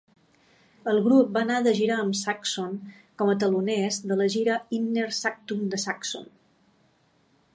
El grup va anar de gira amb Saxon com a teloners de la gira Inner Sanctum de Saxon.